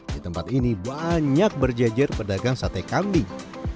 di tempat ini banyak berjejer pedagang sate kambing